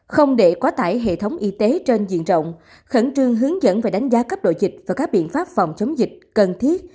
không để quá tải hệ thống y tế trên diện rộng khẩn trương hướng dẫn và đánh giá cấp độ dịch và các biện pháp phòng chống dịch cần thiết